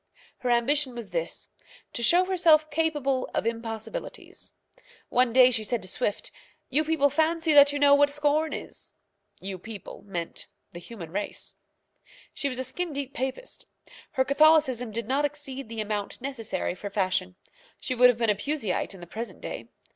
Her ambition was this to show herself capable of impossibilities. One day she said to Swift, "You people fancy that you know what scorn is." "You people" meant the human race. She was a skin deep Papist. Her Catholicism did not exceed the amount necessary for fashion. She would have been a Puseyite in the present day.